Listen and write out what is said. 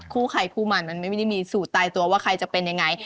คู่ไข่คู่มันมันไม่มีสูตรตายตัวว่าใครจะเป็นอย่างไร